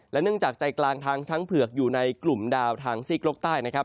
และเนื่องจากใจกลางทางช้างเผือกอยู่ในกลุ่มดาวทางซีกโลกใต้นะครับ